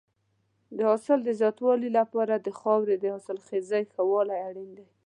د حاصل د زیاتوالي لپاره د خاورې د حاصلخېزۍ ښه والی اړین دی.